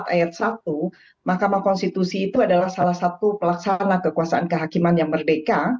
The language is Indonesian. ayat satu mahkamah konstitusi itu adalah salah satu pelaksana kekuasaan kehakiman yang merdeka